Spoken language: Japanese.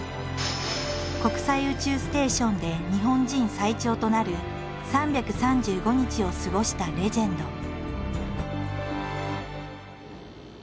国際宇宙ステーションで日本人最長となる３３５日を過ごしたレジェンド。